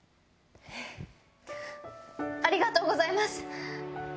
ありがとうございます。